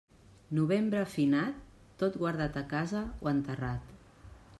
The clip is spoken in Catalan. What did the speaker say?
Novembre finat, tot guardat a casa o enterrat.